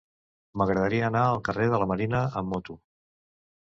M'agradaria anar al carrer de la Marina amb moto.